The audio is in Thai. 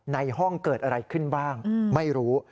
ในห้องเกิดอะไรขึ้นบ้างไม่รู้